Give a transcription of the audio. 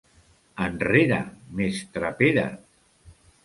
Enrere, mestre Pere!